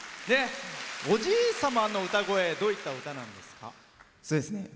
おじい様の歌声どういった歌なんですか？